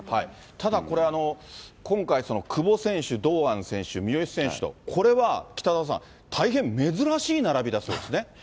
ただこれ、今回、久保選手、堂安選手、三好選手と、これは北澤さん、大変珍しい並びだそうですね。